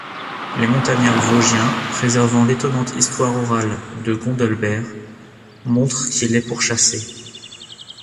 Les montagnards vosgiens préservant l'étonnante histoire orale de Gondelbert montrent qu'il est pourchassé.